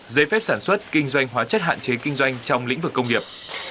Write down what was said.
giấy phép sản xuất kinh doanh hóa chất hạn chế kinh doanh trong lĩnh vực công nghiệp